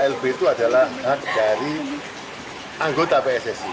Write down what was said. lb itu adalah hak dari anggota pssi